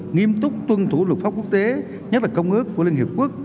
nghiêm túc tuân thủ luật pháp quốc tế nhất là công ước của liên hiệp quốc